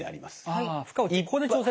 はい。